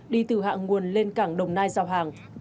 đi từ hạ nguồn lên cảng đồng nai giao hàng